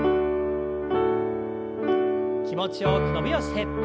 気持ちよく伸びをして。